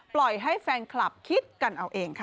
ปล่อยให้แฟนคลับคิดกันเอาเองค่ะ